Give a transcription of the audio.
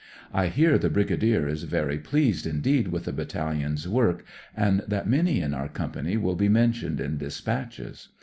I hear the Rrigadier is very pleased indeed w^ the Rattalion's wori^, and that many in our Company will be mentioned in dispatdies.